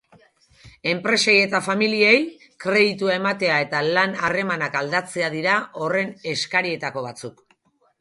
Enpresei eta familiei kreditua ematea eta lan-harremanak aldatzea dira horren eskarietako batzuk.